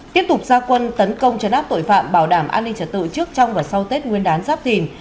tiếp tục gia quân tấn công chấn áp tội phạm bảo đảm an ninh trật tự trước trong và sau tết nguyên đán giáp thìn